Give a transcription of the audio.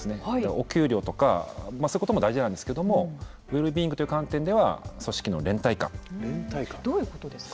お給料とかそういうことも大事なんですけれどもウェルビーイングという観点ではどういうことですか。